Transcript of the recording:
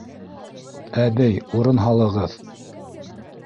Әбей, урын һалығыҙ.